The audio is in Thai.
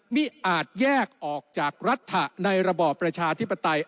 อาจแยกออกจากรัฐในระบอบประชาธิปไตย